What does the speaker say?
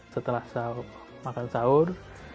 setelah makan sahur